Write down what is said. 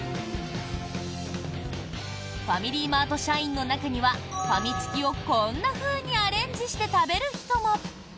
ファミリーマート社員の中にはファミチキをこんなふうにアレンジして食べる人も。